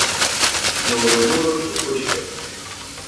Muru muru tukushka.